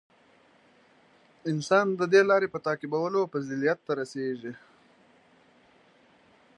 • انسان د دې د لارې په تعقیبولو فضیلت ته رسېږي.